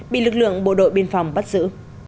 bị lực lượng bộ đội biên phòng bắt giữ